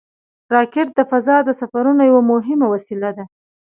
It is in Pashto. راکټ د فضا د سفرونو یوه مهمه وسیله ده